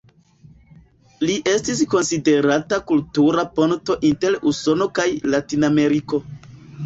Li estis konsiderata kultura ponto inter Usono kaj Latinameriko.